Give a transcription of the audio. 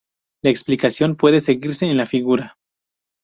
La explicación puede seguirse en la figura.